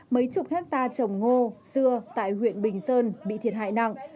mấy chục hectare trồng ngô dưa tại huyện bình sơn bị thiệt hại nặng